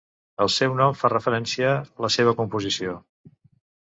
El seu nom fa referència la seva composició.